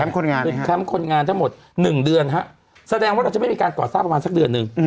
แคมป์คนงานครับแคมป์คนงานทั้งหมด๑เดือนครับแสดงว่าเราจะไม่มีการก่อสร้างประมาณสักเดือนนึง